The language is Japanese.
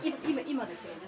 今ですよね？